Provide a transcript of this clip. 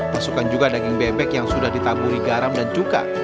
masukkan juga daging bebek yang sudah ditaburi garam dan cuka